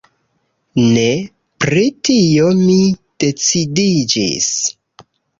Ne! Pri tio mi decidiĝis.